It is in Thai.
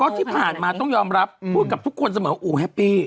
แต่ก็ที่ผ่านมาต้องยอมรับพูดกับทุกคนเสมอโอ้แฮปปี้